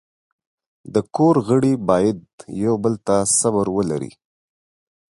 د کور غړي باید یو بل ته صبر ولري.